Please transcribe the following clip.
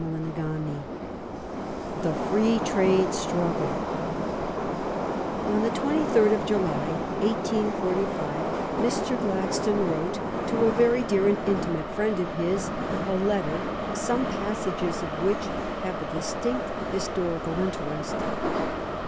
CHAPTER VIII THE FREE TRADE STRUGGLE On the twenty third of July, 1845, Mr. Gladstone wrote to a very dear and intimate friend of his a letter, some passages of which have a distinct his torical interest.